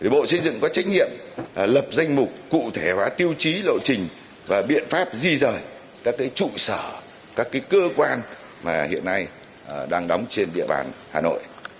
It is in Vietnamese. bộ xây dựng có trách nhiệm lập danh mục cụ thể hóa tiêu chí lộ trình và biện pháp di rời các trụ sở các cơ quan mà hiện nay đang đóng trên địa bàn hà nội